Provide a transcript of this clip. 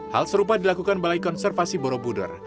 hal serupa dilakukan balai konservasi borobudur